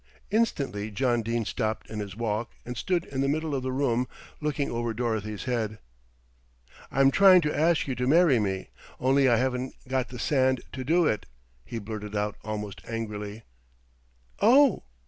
Instantly John Dene stopped in his walk, and stood in the middle of the room looking over Dorothy's head. "I'm trying to ask you to marry me, only I haven't got the sand to do it," he blurted out almost angrily. "Oh!"